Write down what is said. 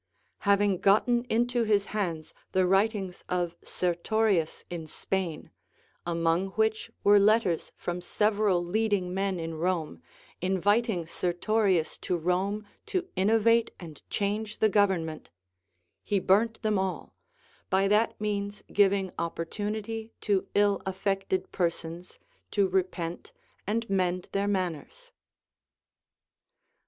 Having gotten into his hands the Avritings of Sertorius in Spain, among Avhich Avere letters from several leading men in Rome, inviting Sertorius to Rome to innovate and change the government, he burnt them all, by that means giving opportunity to ill affected per sons to repent and mend their manners.